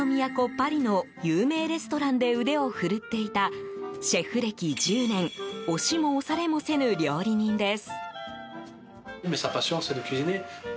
パリの有名レストランで腕を振るっていたシェフ歴１０年押しも押されもせぬ料理人です。